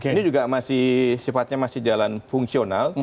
ini juga masih sifatnya masih jalan fungsional